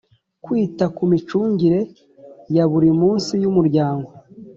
kwita ku micungire ya buri munsi y umuryango